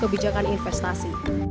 mengubah arah kebijakan investasi